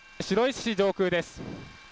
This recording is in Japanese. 白石市上空です。